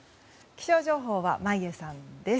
気象情報は眞家さんです。